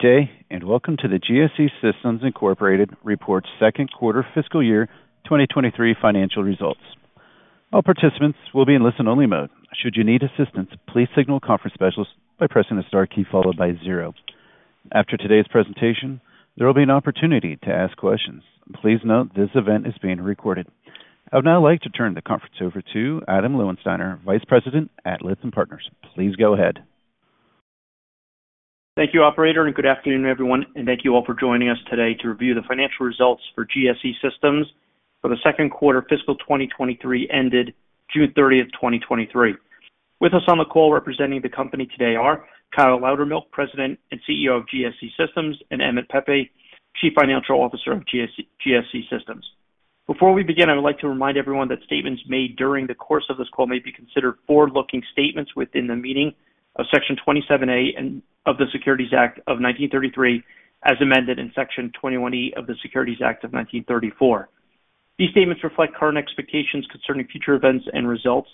Good day, and welcome to the GSE Systems Incorporated Report, second quarter fiscal year 2023 financial results. All participants will be in listen-only mode. Should you need assistance, please signal a conference specialist by pressing the star key followed by 0. After today's presentation, there will be an opportunity to ask questions. Please note this event is being recorded. I would now like to turn the conference over to Adam Lowensteiner, Vice President at Lytham Partners. Please go ahead. Thank you, operator. Good afternoon, everyone, and thank you all for joining us today to review the financial results for GSE Systems for the second quarter fiscal 2023, ended June 30th, 2023. With us on the call representing the company today are Kyle Loudermilk, President and CEO of GSE Systems, and Emmett Pepe, Chief Financial Officer of GSE Systems. Before we begin, I would like to remind everyone that statements made during the course of this call may be considered forward-looking statements within the meaning of Section 27A and of the Securities Act of 1933, as amended in Section 21E of the Securities Act of 1934. These statements reflect current expectations concerning future events and results.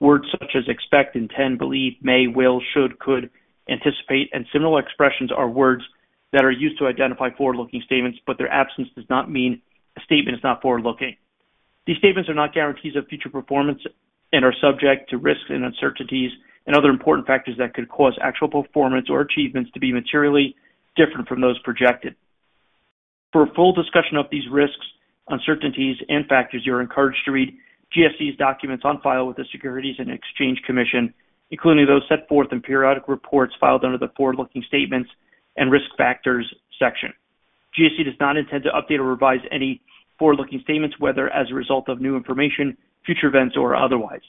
Words such as expect, intend, believe, may, will, should, could, anticipate, and similar expressions are words that are used to identify forward-looking statements, but their absence does not mean a statement is not forward-looking. These statements are not guarantees of future performance and are subject to risks and uncertainties and other important factors that could cause actual performance or achievements to be materially different from those projected. For a full discussion of these risks, uncertainties, and factors, you are encouraged to read GSE's documents on file with the Securities and Exchange Commission, including those set forth in periodic reports filed under the forward-looking statements and risk factors section. GSE does not intend to update or revise any forward-looking statements, whether as a result of new information, future events, or otherwise.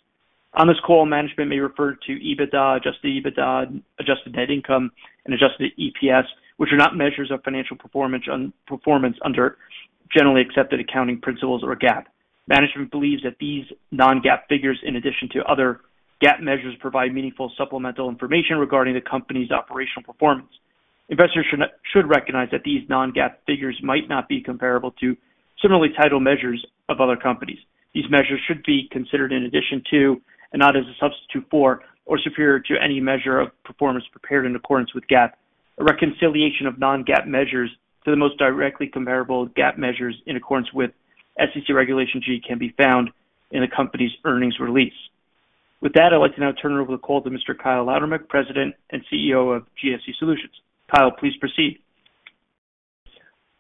On this call, management may refer to EBITDA, Adjusted EBITDA, Adjusted Net Income, and Adjusted EPS, which are not measures of financial performance performance under Generally Accepted Accounting Principles or GAAP. Management believes that these Non-GAAP figures, in addition to other GAAP measures, provide meaningful supplemental information regarding the company's operational performance. Investors should recognize that these Non-GAAP figures might not be comparable to similarly titled measures of other companies. These measures should be considered in addition to, and not as a substitute for, or superior to any measure of performance prepared in accordance with GAAP. A reconciliation of Non-GAAP measures to the most directly comparable GAAP measures in accordance with SEC Regulation G can be found in the company's earnings release. With that, I'd like to now turn over the call to Mr. Kyle Loudermilk, President and CEO of GSE Systems. Kyle, please proceed.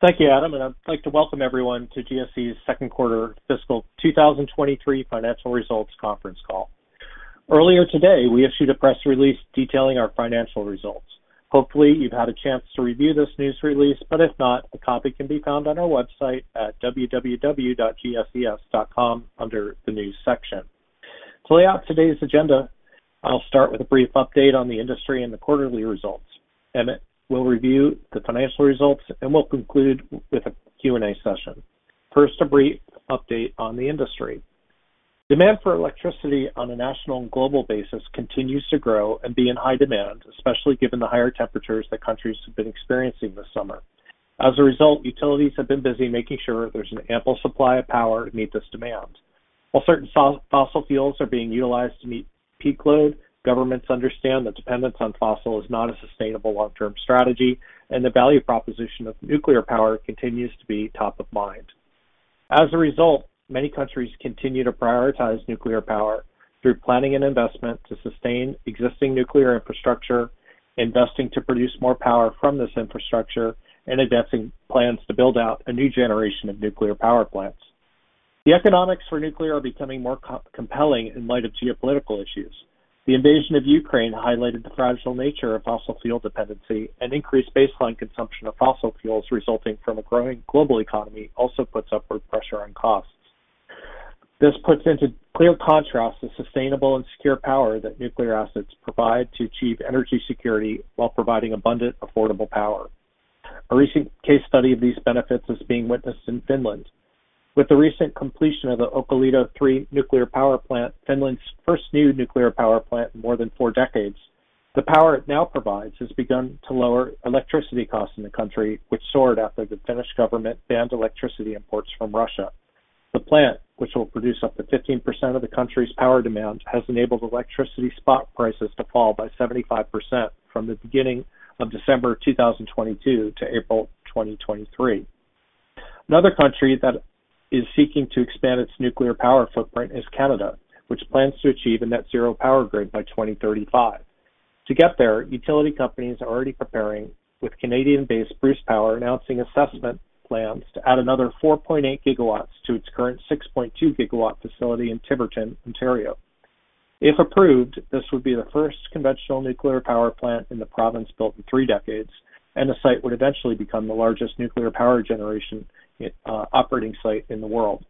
Thank you, Adam, and I'd like to welcome everyone to GSE's second quarter fiscal 2023 financial results conference call. Earlier today, we issued a press release detailing our financial results. Hopefully, you've had a chance to review this news release, but if not, a copy can be found on our website at www.gses.com under the News section. To lay out today's agenda, I'll start with a brief update on the industry and the quarterly results, and we'll review the financial results, and we'll conclude with a Q&A session. First, a brief update on the industry. Demand for electricity on a national and global basis continues to grow and be in high demand, especially given the higher temperatures that countries have been experiencing this summer. As a result, utilities have been busy making sure there's an ample supply of power to meet this demand. While certain fossil fuels are being utilized to meet peak load, governments understand that dependence on fossil is not a sustainable long-term strategy, and the value proposition of nuclear power continues to be top of mind. As a result, many countries continue to prioritize nuclear power through planning and investment to sustain existing nuclear infrastructure, investing to produce more power from this infrastructure, and investing plans to build out a new generation of nuclear power plants. The economics for nuclear are becoming more compelling in light of geopolitical issues. The invasion of Ukraine highlighted the fragile nature of fossil fuel dependency, and increased baseline consumption of fossil fuels resulting from a growing global economy also puts upward pressure on costs. This puts into clear contrast the sustainable and secure power that nuclear assets provide to achieve energy security while providing abundant, affordable power. A recent case study of these benefits is being witnessed in Finland. With the recent completion of the Olkiluoto 3 nuclear power plant, Finland's first new nuclear power plant in more than four decades, the power it now provides has begun to lower electricity costs in the country, which soared after the Finnish government banned electricity imports from Russia. The plant, which will produce up to 15% of the country's power demand, has enabled electricity spot prices to fall by 75% from the beginning of December 2022 to April 2023. Another country that is seeking to expand its nuclear power footprint is Canada, which plans to achieve a net zero power grid by 2035. To get there, utility companies are already preparing, with Canadian-based Bruce Power announcing assessment plans to add another 4.8 GW to its current 6.2 GW facility in Tiverton, Ontario. If approved, this would be the first conventional nuclear power plant in the province built in three decades, and the site would eventually become the largest nuclear power generation operating site in the world.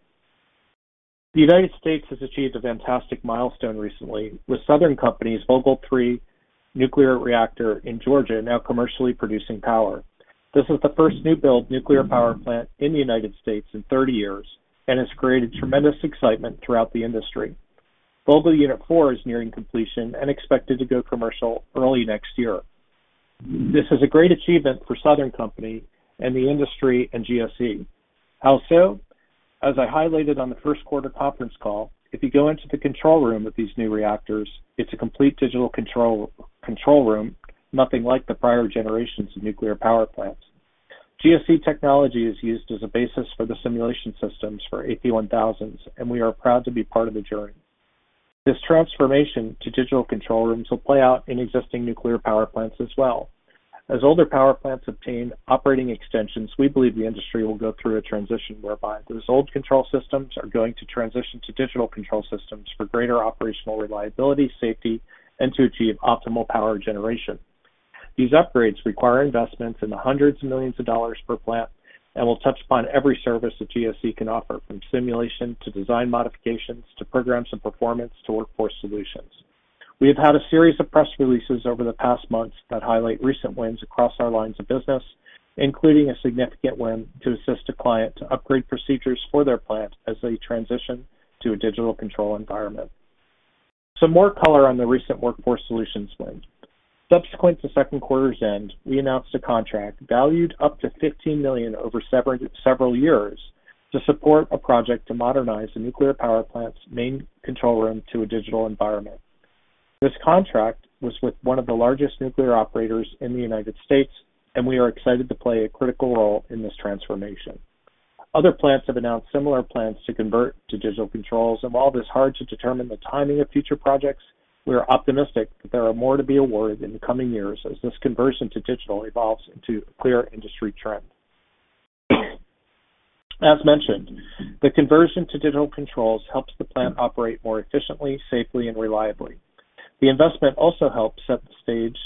The United States has achieved a fantastic milestone recently, with Southern Company's Vogtle 3 nuclear reactor in Georgia now commercially producing power. This is the first new-build nuclear power plant in the United States in 30 years and has created tremendous excitement throughout the industry. Vogtle Unit 4 is nearing completion and expected to go commercial early next year. This is a great achievement for Southern Company and the industry and GSE. How so? As I highlighted on the first quarter conference call, if you go into the control room of these new reactors, it's a complete digital control, control room, nothing like the prior generations of nuclear power plants. GSE technology is used as a basis for the simulation systems for AP1000s, and we are proud to be part of the journey. This transformation to digital control rooms will play out in existing nuclear power plants as well. As older power plants obtain operating extensions, we believe the industry will go through a transition whereby those old control systems are going to transition to digital control systems for greater operational reliability, safety, and to achieve optimal power generation. These upgrades require investments in the $100 million per plant and will touch upon every service that GSE can offer, from simulation to design modifications, to programs and performance, to Workforce Solutions. We have had a series of press releases over the past months that highlight recent wins across our lines of business, including a significant win to assist a client to upgrade procedures for their plant as they transition to a digital control environment. Some more color on the recent Workforce Solutions win. Subsequent to second quarter's end, we announced a contract valued up to $15 million over several, several years to support a project to modernize the nuclear power plant's main control room to a digital environment. This contract was with one of the largest nuclear operators in the United States, and we are excited to play a critical role in this transformation. Other plants have announced similar plans to convert to digital controls. While it is hard to determine the timing of future projects, we are optimistic that there are more to be awarded in the coming years as this conversion to digital evolves into a clear industry trend. As mentioned, the conversion to digital controls helps the plant operate more efficiently, safely, and reliably. The investment also helps set the stage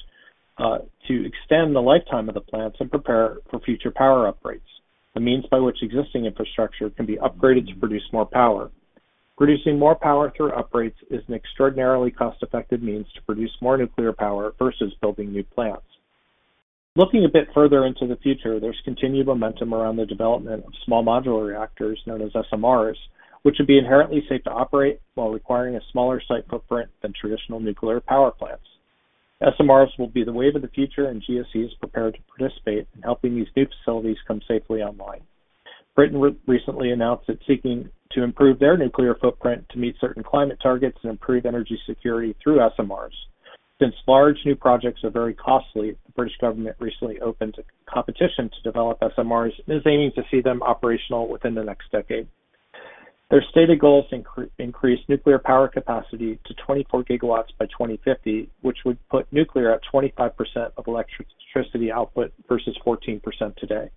to extend the lifetime of the plants and prepare for future power upgrades, a means by which existing infrastructure can be upgraded to produce more power. Producing more power through upgrades is an extraordinarily cost-effective means to produce more nuclear power versus building new plants. Looking a bit further into the future, there's continued momentum around the development of small modular reactors known as SMRs, which would be inherently safe to operate while requiring a smaller site footprint than traditional nuclear power plants. SMRs will be the wave of the future, and GSE is prepared to participate in helping these new facilities come safely online. Britain recently announced it's seeking to improve their nuclear footprint to meet certain climate targets and improve energy security through SMRs. Since large new projects are very costly, the British government recently opened a competition to develop SMRs, and is aiming to see them operational within the next decade. Their stated goal is to increase nuclear power capacity to 24 GW by 2050, which would put nuclear at 25% of electricity output versus 14% today.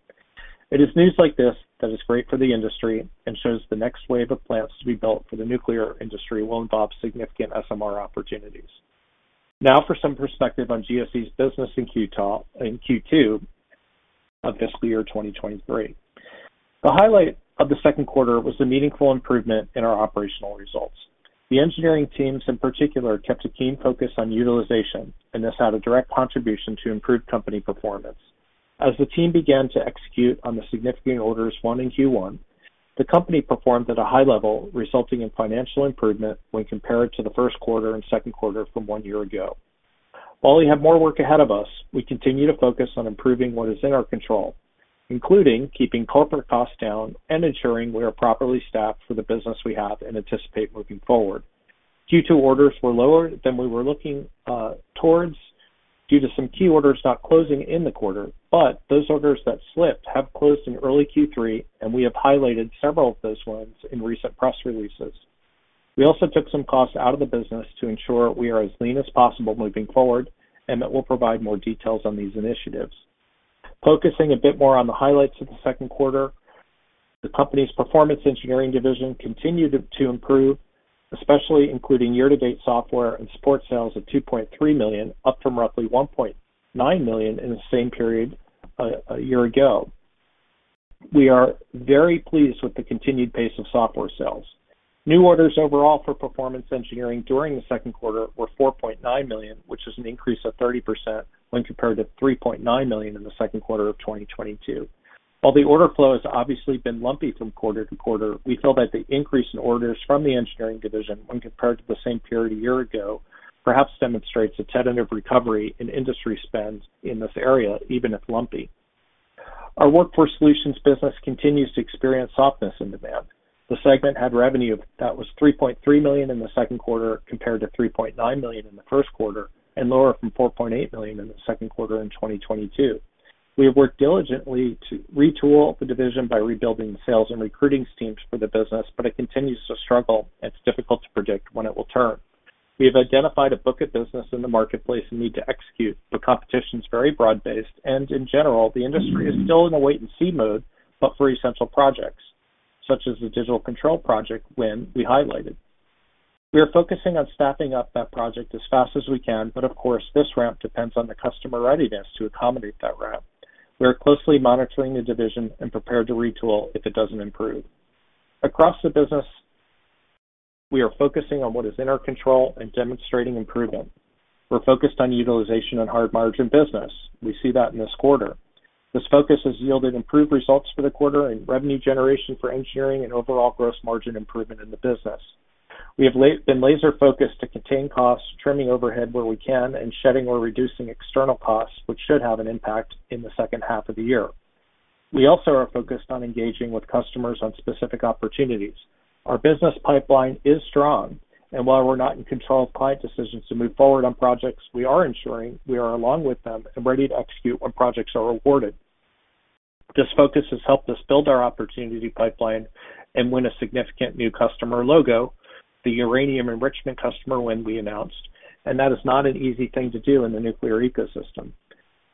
It is news like this that is great for the industry and shows the next wave of plants to be built for the nuclear industry will involve significant SMR opportunities. Now for some perspective on GSE's business in Q2 of fiscal year 2023. The highlight of the second quarter was a meaningful improvement in our operational results. The engineering teams in particular, kept a keen focus on utilization, and this had a direct contribution to improved company performance. As the team began to execute on the significant orders won in Q1, the company performed at a high level, resulting in financial improvement when compared to the first quarter and second quarter from one year ago. While we have more work ahead of us, we continue to focus on improving what is in our control, including keeping corporate costs down and ensuring we are properly staffed for the business we have and anticipate moving forward. Q2 orders were lower than we were looking towards due to some key orders not closing in the quarter, but those orders that slipped have closed in early Q3, and we have highlighted several of those ones in recent press releases. We also took some costs out of the business to ensure we are as lean as possible moving forward, and that we'll provide more details on these initiatives. Focusing a bit more on the highlights of the second quarter, the company's Performance Engineering division continued to improve, especially including year-to-date software and support sales of $2.3 million, up from roughly $1.9 million in the same period a year ago. We are very pleased with the continued pace of software sales. New orders overall for Performance Engineering during the second quarter were $4.9 million, which is an increase of 30% when compared to $3.9 million in the second quarter of 2022. While the order flow has obviously been lumpy from quarter to quarter, we feel that the increase in orders from the engineering division when compared to the same period a year ago, perhaps demonstrates a tentative recovery in industry spend in this area, even if lumpy. Our Workforce Solutions business continues to experience softness in demand. The segment had revenue that was $3.3 million in the second quarter, compared to $3.9 million in the first quarter, and lower from $4.8 million in the second quarter in 2022. We have worked diligently to retool the division by rebuilding the sales and recruiting teams for the business, but it continues to struggle, and it's difficult to predict when it will turn. We have identified a book of business in the marketplace and need to execute, but competition is very broad-based, and in general, the industry is still in a wait-and-see mode, but for essential projects, such as the digital control project win we highlighted. We are focusing on staffing up that project as fast as we can, but of course, this ramp depends on the customer readiness to accommodate that ramp. We are closely monitoring the division and prepared to retool if it doesn't improve. Across the business, we are focusing on what is in our control and demonstrating improvement. We're focused on utilization and hard margin business. We see that in this quarter. This focus has yielded improved results for the quarter in revenue generation for engineering and overall gross margin improvement in the business. We have been laser focused to contain costs, trimming overhead where we can, and shedding or reducing external costs, which should have an impact in the second half of the year. Also, we are focused on engaging with customers on specific opportunities. Our business pipeline is strong, and while we're not in control of client decisions to move forward on projects, we are ensuring we are along with them and ready to execute when projects are awarded. This focus has helped us build our opportunity pipeline and win a significant new customer logo, the uranium enrichment customer win we announced, and that is not an easy thing to do in the nuclear ecosystem.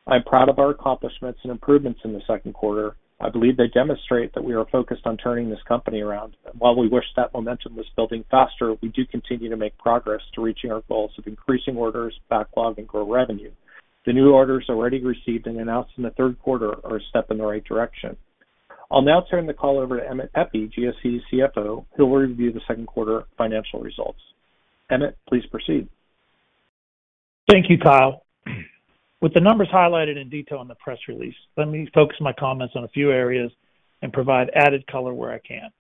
I'm proud of our accomplishments and improvements in the second quarter. I believe they demonstrate that we are focused on turning this company around. While we wish that momentum was building faster, we do continue to make progress to reaching our goals of increasing orders, backlog, and grow revenue. The new orders already received and announced in the third quarter are a step in the right direction. I'll now turn the call over to Emmett Pepe, GSE CFO, who will review the second quarter financial results. Emmett, please proceed. Thank you, Kyle. With the numbers highlighted in detail in the press release, let me focus my comments on a few areas and provide added color where I can.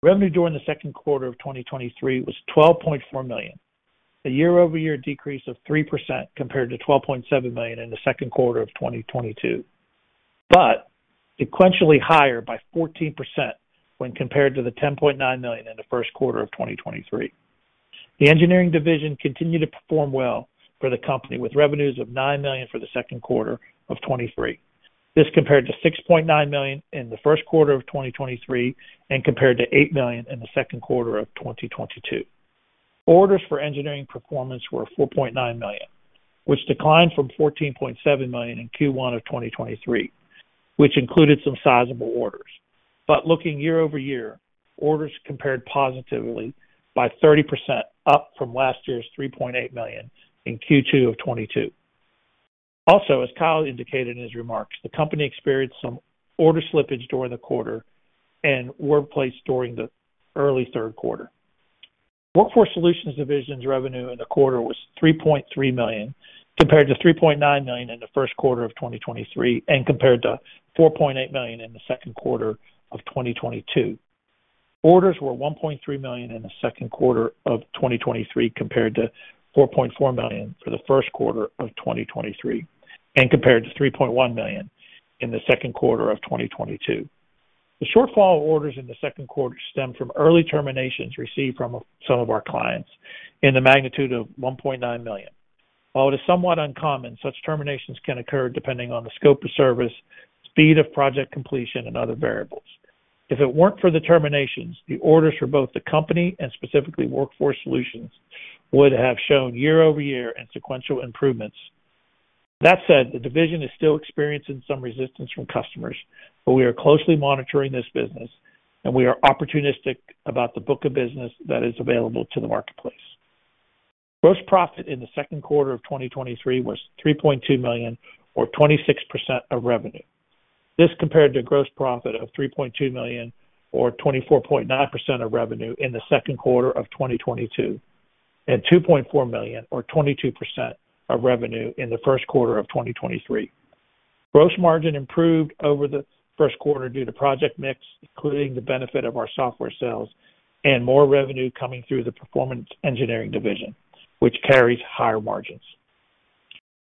Revenue during the second quarter of 2023 was $12.4 million, a year-over-year decrease of 3% compared to $12.7 million in the second quarter of 2022, but sequentially higher by 14% when compared to the $10.9 million in the first quarter of 2023. The engineering division continued to perform well for the company, with revenues of $9 million for the second quarter of 2023. This compared to $6.9 million in the first quarter of 2023 and compared to $8 million in the second quarter of 2022. Orders for engineering performance were $4.9 million, which declined from $14.7 million in Q1 of 2023, which included some sizable orders. Looking year-over-year, orders compared positively by 30%, up from last year's $3.8 million in Q2 of 2022. Also, as Kyle indicated in his remarks, the company experienced some order slippage during the quarter and were placed during the early third quarter. Workforce Solutions Division's revenue in the quarter was $3.3 million, compared to $3.9 million in the first quarter of 2023, and compared to $4.8 million in the second quarter of 2022. Orders were $1.3 million in the second quarter of 2023, compared to $4.4 million for the first quarter of 2023, and compared to $3.1 million in the second quarter of 2022. The shortfall of orders in the second quarter stemmed from early terminations received from some of our clients in the magnitude of $1.9 million. While it is somewhat uncommon, such terminations can occur depending on the scope of service, speed of project completion, and other variables. If it weren't for the terminations, the orders for both the company and specifically Workforce Solutions would have shown year-over-year and sequential improvements. That said, the division is still experiencing some resistance from customers, but we are closely monitoring this business, and we are opportunistic about the book of business that is available to the marketplace. Gross profit in the second quarter of 2023 was $3.2 million, or 26% of revenue. This compared to gross profit of $3.2 million or 24.9% of revenue in the second quarter of 2022, and $2.4 million or 22% of revenue in the first quarter of 2023. Gross margin improved over the first quarter due to project mix, including the benefit of our software sales and more revenue coming through the Performance Engineering division, which carries higher margins.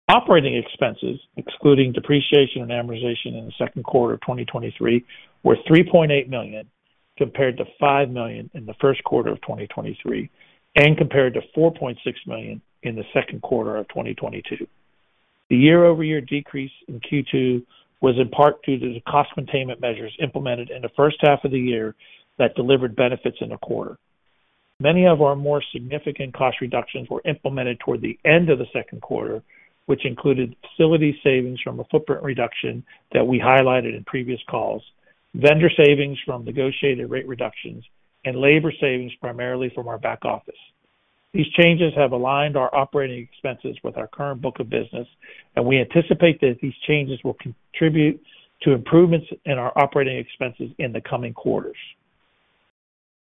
Operating expenses, excluding depreciation and amortization in the second quarter of 2023, were $3.8 million, compared to $5 million in the first quarter of 2023, and compared to $4.6 million in the second quarter of 2022. The year-over-year decrease in Q2 was in part due to the cost containment measures implemented in the first half of the year that delivered benefits in the quarter. Many of our more significant cost reductions were implemented toward the end of the second quarter, which included facility savings from a footprint reduction that we highlighted in previous calls, vendor savings from negotiated rate reductions, and labor savings primarily from our back office. These changes have aligned our operating expenses with our current book of business, and we anticipate that these changes will contribute to improvements in our operating expenses in the coming quarters.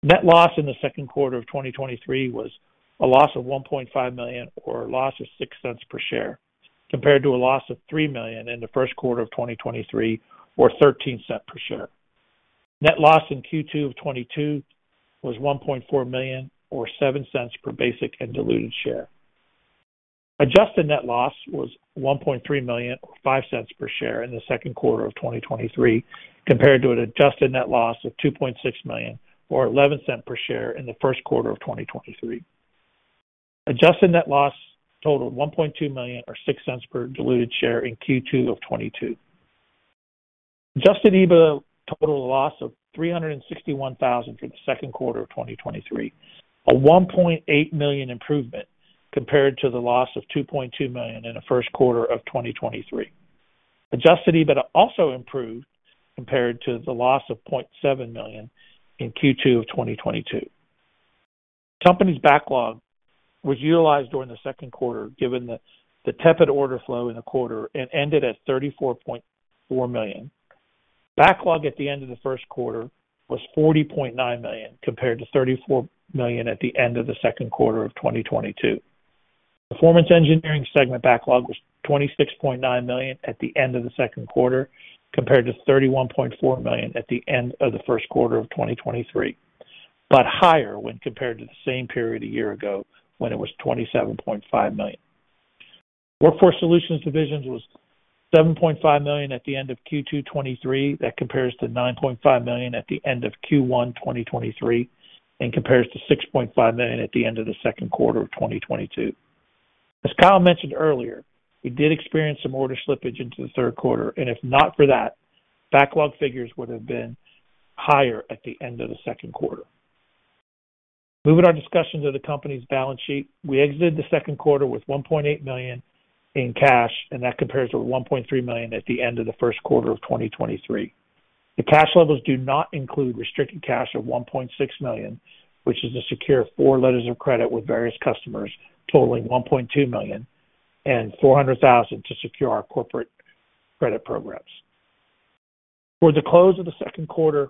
Net loss in the second quarter of 2023 was a loss of $1.5 million, or a loss of $0.06 per share, compared to a loss of $3 million in the first quarter of 2023, or $0.13 per share. Net loss in Q2 of 2022 was $1.4 million, or $0.07 per basic and diluted share. Adjusted net loss was $1.3 million, or $0.05 per share in the second quarter of 2023, compared to an Adjusted net loss of $2.6 million, or $0.11 per share in the first quarter of 2023. Adjusted net loss totaled $1.2 million or $0.06 per diluted share in Q2 of 2022. Adjusted EBITDA totaled a loss of $361,000 for the second quarter of 2023, a $1.8 million improvement compared to the loss of $2.2 million in the first quarter of 2023. Adjusted EBITDA also improved compared to the loss of $0.7 million in Q2 of 2022. The company's Backlog was utilized during the second quarter, given the, the tepid order flow in the quarter and ended at $34.4 million. Backlog at the end of the first quarter was $40.9 million, compared to $34 million at the end of the second quarter of 2022. Performance Engineering segment Backlog was $26.9 million at the end of the second quarter, compared to $31.4 million at the end of the first quarter of 2023, but higher when compared to the same period a year ago, when it was $27.5 million. Workforce Solutions divisions was $7.5 million at the end of Q2 2023. That compares to $9.5 million at the end of Q1 2023, and compares to $6.5 million at the end of the second quarter of 2022. As Kyle mentioned earlier, we did experience some order slippage into the third quarter, and if not for that, backlog figures would have been higher at the end of the second quarter. Moving our discussion to the company's balance sheet, we exited the second quarter with $1.8 million in cash, and that compares with $1.3 million at the end of the first quarter of 2023. The cash levels do not include restricted cash of $1.6 million, which is to secure four letters of credit with various customers, totaling $1.2 million and $400,000 to secure our corporate credit programs. For the close of the second quarter,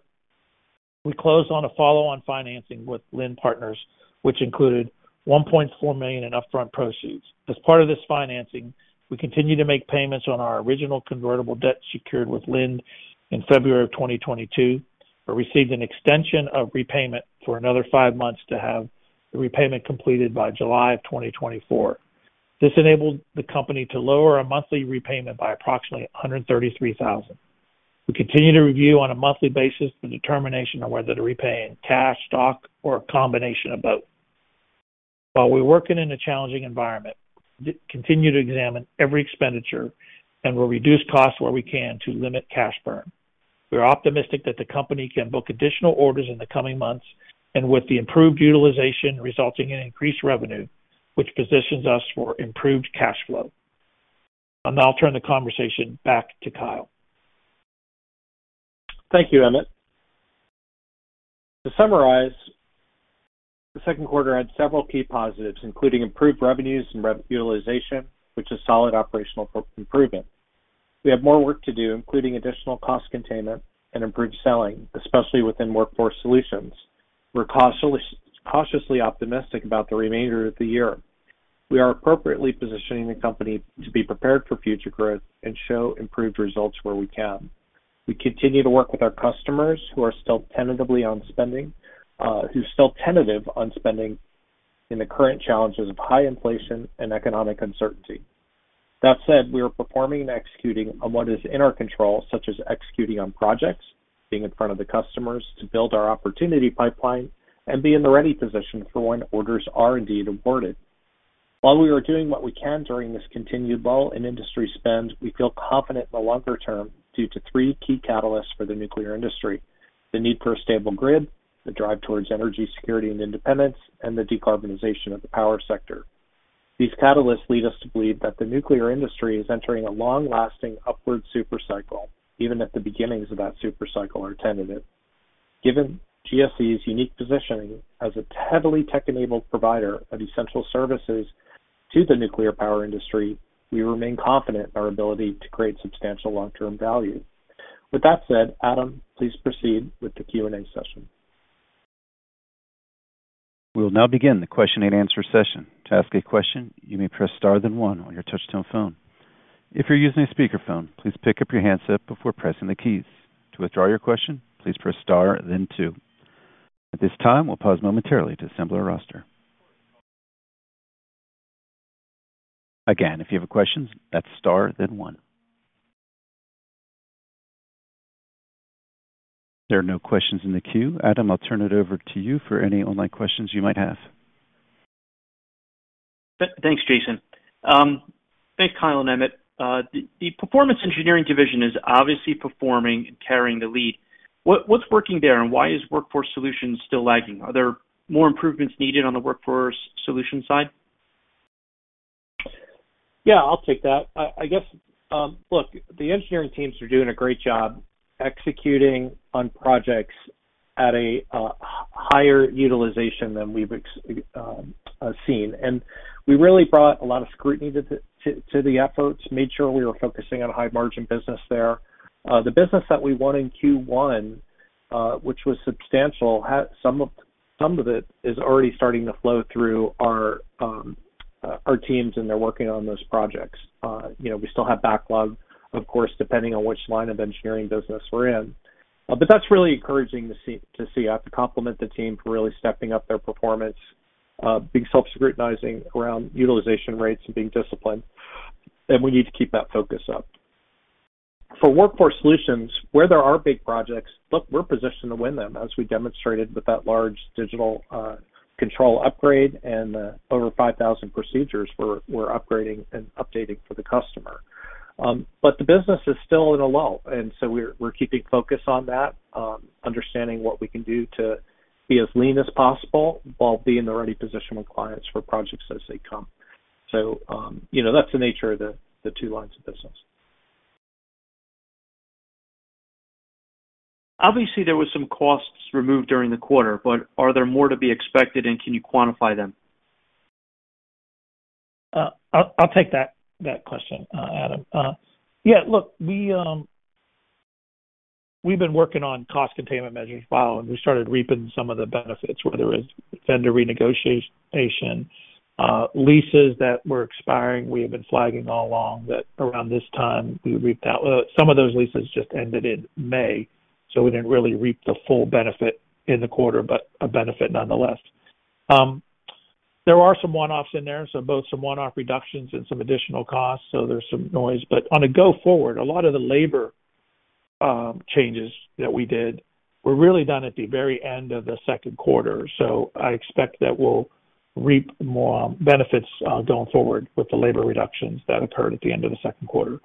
we closed on a follow-on financing with Lind Partners, which included $1.4 million in upfront proceeds. As part of this financing, we continue to make payments on our original convertible debt, secured with Lind in February of 2022. Received an extension of repayment for another five months to have the repayment completed by July of 2024. This enabled the company to lower our monthly repayment by approximately $133,000. We continue to review on a monthly basis the determination on whether to repay in cash, stock, or a combination of both. While we're working in a challenging environment, we continue to examine every expenditure and will reduce costs where we can to limit cash burn. We are optimistic that the company can book additional orders in the coming months and with the improved utilization resulting in increased revenue, which positions us for improved cash flow. I'll now turn the conversation back to Kyle. Thank you, Emmett. To summarize, the second quarter had several key positives, including improved revenues and rev utilization, which is solid operational improvement. We have more work to do, including additional cost containment and improved selling, especially within Workforce Solutions. We're cautiously, cautiously optimistic about the remainder of the year. We are appropriately positioning the company to be prepared for future growth and show improved results where we can. We continue to work with our customers, who are still tentatively on spending, who's still tentative on spending in the current challenges of high inflation and economic uncertainty. That said, we are performing and executing on what is in our control, such as executing on projects, being in front of the customers to build our opportunity pipeline and be in the ready position for when orders are indeed awarded. While we are doing what we can during this continued lull in industry spend, we feel confident in the longer term due to three key catalysts for the nuclear industry: the need for a stable grid, the drive towards energy security and independence, and the decarbonization of the power sector. These catalysts lead us to believe that the nuclear industry is entering a long-lasting upward super cycle, even if the beginnings of that super cycle are tentative. Given GSE's unique positioning as a heavily tech-enabled provider of essential services to the nuclear power industry, we remain confident in our ability to create substantial long-term value. With that said, Adam, please proceed with the Q&A session. We'll now begin the question and answer session. To ask a question, you may press star, then one on your touchtone phone. If you're using a speakerphone, please pick up your handset before pressing the keys. To withdraw your question, please press star, then two. At this time, we'll pause momentarily to assemble a roster. Again, if you have a question, that's star, then one. There are no questions in the queue. Adam, I'll turn it over to you for any online questions you might have. Thanks, Jason. Thanks, Kyle and Emmett. The Performance Engineering division is obviously performing and carrying the lead. What, what's working there, and why is Workforce Solutions still lagging? Are there more improvements needed on the Workforce Solutions side? Yeah, I'll take that. I, I guess, Look, the engineering teams are doing a great job executing on projects at a higher utilization than we've seen. We really brought a lot of scrutiny to the efforts, made sure we were focusing on high margin business there. The business that we won in Q1, which was substantial, had some of it is already starting to flow through our teams, and they're working on those projects. You know, we still have backlog, of course, depending on which line of engineering business we're in. That's really encouraging to see. I have to compliment the team for really stepping up their performance, being self-scrutinizing around utilization rates and being disciplined, and we need to keep that focus up. For Workforce Solutions, where there are big projects, look, we're positioned to win them, as we demonstrated with that large digital control upgrade and the over 5,000 procedures we're, we're upgrading and updating for the customer. The business is still in a lull, and so we're, we're keeping focus on that, understanding what we can do to be as lean as possible while being in the ready position with clients for projects as they come. You know, that's the nature of the two lines of business. Obviously, there were some costs removed during the quarter, but are there more to be expected, and can you quantify them? I'll, I'll take that, that question, Adam. Yeah, look, we, we've been working on cost containment measures for a while. We started reaping some of the benefits, whether it's vendor renegotiation, leases that were expiring. We have been flagging all along that around this time we reaped that. Well, some of those leases just ended in May, so we didn't really reap the full benefit in the quarter, but a benefit nonetheless. There are some one-offs in there, so both some one-off reductions and some additional costs, so there's some noise. On a go-forward, a lot of the labor changes that we did were really done at the very end of the second quarter. I expect that we'll reap more benefits going forward with the labor reductions that occurred at the end of the second quarter.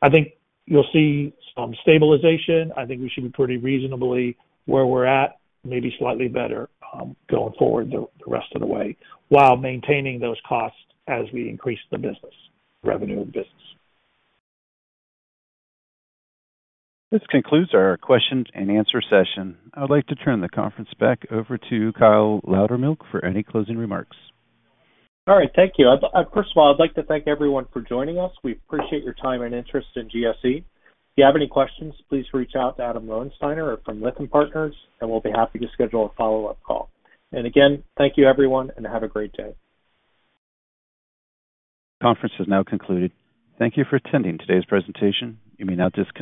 I think you'll see some stabilization. I think we should be pretty reasonably where we're at, maybe slightly better, going forward the rest of the way, while maintaining those costs as we increase the business, revenue of business. This concludes our question and answer session. I'd like to turn the conference back over to Kyle Loudermilk for any closing remarks. All right. Thank you. First of all, I'd like to thank everyone for joining us. We appreciate your time and interest in GSE. If you have any questions, please reach out to Adam Lowensteiner or from Lytham Partners, we'll be happy to schedule a follow-up call. Again, thank you, everyone, and have a great day. Conference is now concluded. Thank you for attending today's presentation. You may now disconnect.